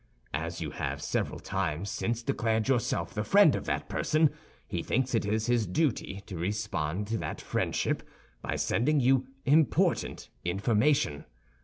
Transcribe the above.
As you have several times since declared yourself the friend of that person, he thinks it his duty to respond to that friendship by sending you important information.